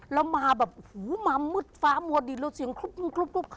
แล้วมาเหมือนมืดฟ้ามัวดินแล้วเสียงครวกครบ